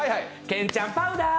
けんちゃんパウダー。